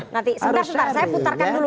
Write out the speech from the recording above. nanti sementara saya putarkan dulu